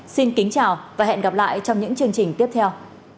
xin kính chào và hẹn gặp lại trong những chương trình tiếp theo